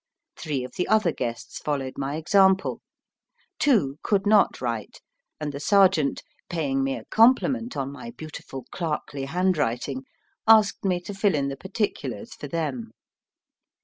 Three of the other guests followed my example. Two could not write; and the sergeant, paying me a compliment on my beautiful clerkly handwriting, asked me to fill in the particulars for them.